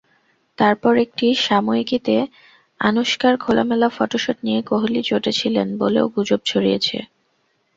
তারপর একটি সাময়িকীতে আনুশকার খোলামেলা ফটোশট নিয়ে কোহলি চটেছিলেন বলেও গুজব ছড়িয়েছে।